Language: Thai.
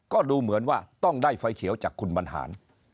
ก็ดูเหมือนว่าต้องได้ไฟเขียวจากคุณบรรหาร